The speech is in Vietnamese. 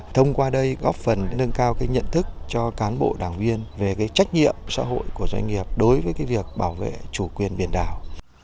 thông qua đây góp phần nâng cao nhận thức cho cán bộ đảng viên về trách nhiệm xã hội của doanh nghiệp đối với việc bảo vệ chủ quyền biển đảo